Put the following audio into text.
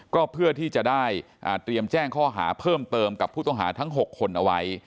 ก็เพื่อที่จะได้เตรียมแจ้งข้อหาเพิ่มเติมกับผู้ต้องหาทั้ง๖คนเอาไว้